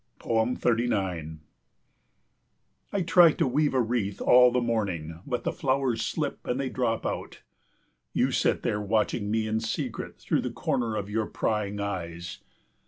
39 I try to weave a wreath all the morning, but the flowers slip and they drop out. You sit there watching me in secret through the corner of your prying eyes.